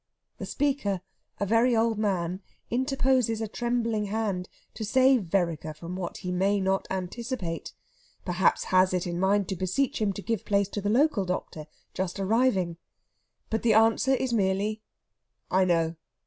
The speaker, a very old man, interposes a trembling hand to save Vereker from what he may not anticipate, perhaps has it in mind to beseech him to give place to the local doctor, just arriving. But the answer is merely, "I know."